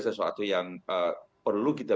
sesuatu yang perlu kita